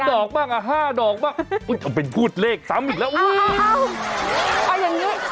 ๓ดอกบ้าง๕ดอกบ้างทำเป็นพูดเลขซ้ำอีกแล้วอ้าวอย่างนี้